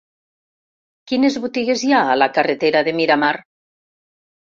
Quines botigues hi ha a la carretera de Miramar?